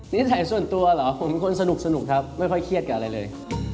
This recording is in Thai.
นิสัยส่วนตัวเหรอผมเป็นคนสนุกครับไม่ค่อยเครียดกับอะไรเลย